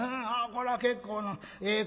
こら結構なええ